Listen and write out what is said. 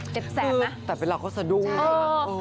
เจ็บแสบนะแต่เป็นราวโครสดูเนี่ย